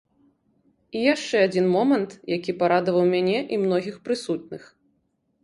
І яшчэ адзін момант, які парадаваў мяне і многіх прысутных.